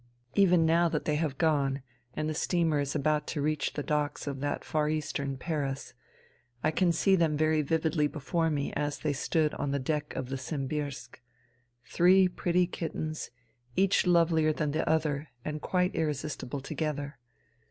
Even now that they have gone and the steamer is about to reach the docks of that far eastern Paris, I can see them very vividly before me as they stood on the deck of the Simbirsk : three pretty kittens, each lovelier than the other and quite irresistible together.